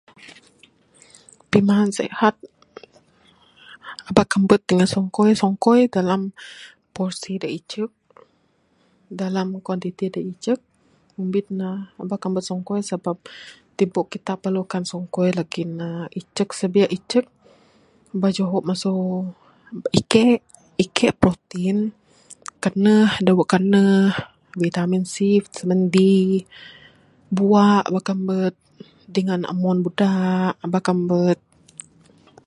Pimaan sehat aba kamet dangan sungkoi, sungkoi dalam porsi da icek, dalam kuantiti da icek ngumit ne...aba kamet sungkoi sabab tibu kita perlukan sungkoi lagi ne icek sibiar icek. Aba juho masu Ike, ike protin, kaneh...dawe kaneh, vitamin c, vitamin d, bua aba kamet, dangan umon buda aba kamet.